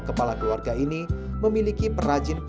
kenapa pakai weeksies kalau dapet sade